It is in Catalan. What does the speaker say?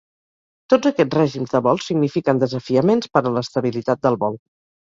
Tots aquests règims de vol signifiquen desafiaments per a l'estabilitat del vol.